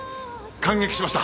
感激しました！